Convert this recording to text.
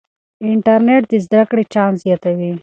انټرنیټ د زده کړې چانس زیاتوي.